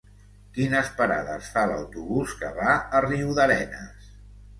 Quines parades fa l'autobús que va a Riudarenes?